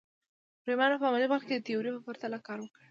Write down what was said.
رومیانو په عملي برخه کې د تیوري په پرتله کار وکړ.